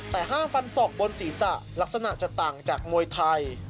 แต่ห้ามฟันศอกบนศีรษะลักษณะจะต่างจากมวยไทย